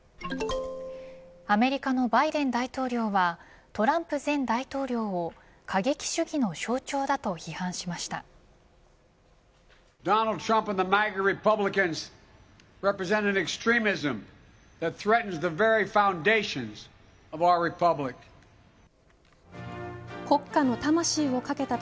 アメリカのバイデン大統領はトランプ前大統領を過激主義の象徴だと批判しました。